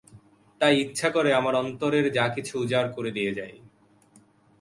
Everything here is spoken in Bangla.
তাই ইচ্ছে করে আমার অন্তরের যা কিছু উজাড় করে দিয়ে যাই।